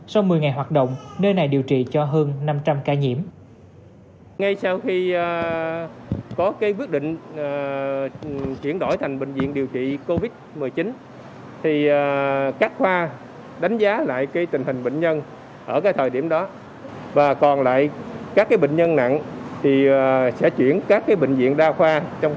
sau một mươi ngày hoạt động nơi này điều trị cho hơn năm trăm linh ca nhiễm